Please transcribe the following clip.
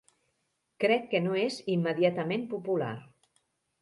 Crec que no és immediatament popular.